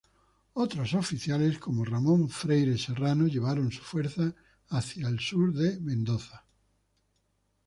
Otros oficiales, como Ramón Freire Serrano, llevaron sus fuerzas hacia el sur de Mendoza.